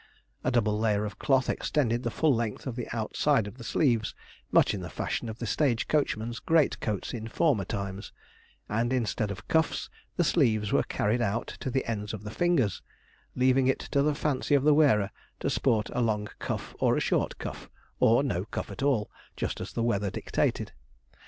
A double layer of cloth extended the full length of the outside of the sleeves, much in the fashion of the stage coachmen's greatcoats in former times; and instead of cuffs, the sleeves were carried out to the ends of the fingers, leaving it to the fancy of the wearer to sport a long cuff or a short cuff, or no cuff at all just as the weather dictated.